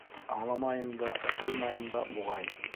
Аңламайым да, ышанмайым да, буғай.